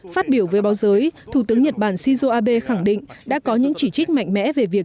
phát biểu với báo giới thủ tướng nhật bản shinzo abe khẳng định đã có những chỉ trích mạnh mẽ về việc